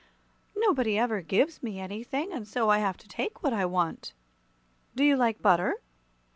"Nobody ever gives me anything, and so I have to take what I want." "Do you like butter?"